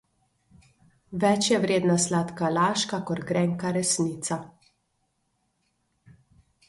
Več je vredna sladka laž kakor grenka resnica.